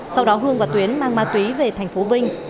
sau đó hương và tuyến mang ma túy về thành phố vinh